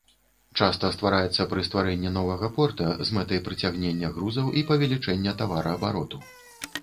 Часта ствараецца пры стварэнні новага порта з мэтай прыцягнення грузаў і павелічэння тавараабароту.